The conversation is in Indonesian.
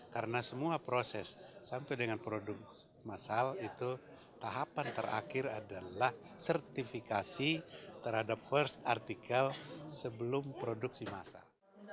karena semua proses sampai dengan produk masal itu tahapan terakhir adalah sertifikasi terhadap first article sebelum produksi masal